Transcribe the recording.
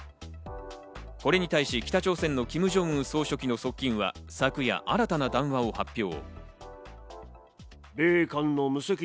これに対し北朝鮮のキム・ジョンウン総書記の側近は昨夜新たな談話を発表。